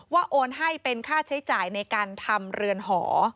โอนให้เป็นค่าใช้จ่ายในการทำเรือนหอ